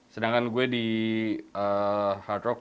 sedangkan gue di hard rock